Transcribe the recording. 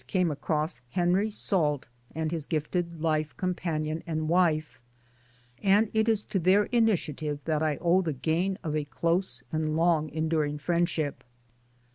336 MY DAYS AND DREAMS Henry Salt and his gifted life companion and wife, and it is to their initiative that I owe the gain of a close and long enduring friendship.